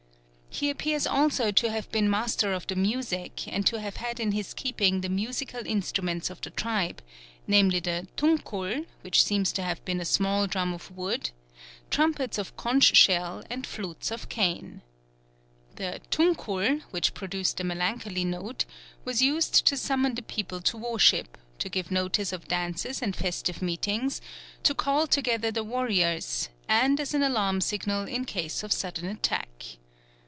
He appears also to have been Master of the Music, and to have had in his keeping the musical instruments of the tribe namely the tunkul, which seems to have been a small drum of wood, trumpets of conch shell and flutes of cane. The tunkul, which produced a melancholy note, was used to summon the people to worship, to give notice of dances and festive meetings, to call together the warriors, and as an alarm signal in case of sudden attack.